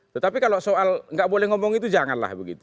tetapi kalau soal nggak boleh ngomong itu janganlah begitu